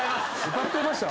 歌ってました？